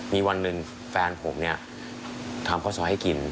มีวันหนึ่งแฟนผมเนี่ยทำข้าวซอยให้กิน